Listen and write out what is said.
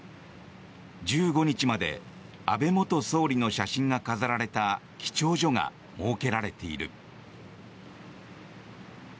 １５日まで安倍元総理の写真が飾られた記帳所が設けられている。